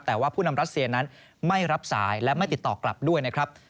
แต่ว่าผู้นำรัสเซียนั้นไม่รับสายและไม่ติดต่อกลับด้วยนะครับ